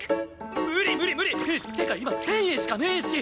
無理無理無理！ってか今１０００円しかねえし！